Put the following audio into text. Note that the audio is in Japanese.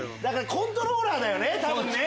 コントローラーだよね多分。